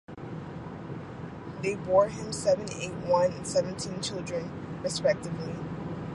They bore him seven, eight, one, and seventeen children respectively.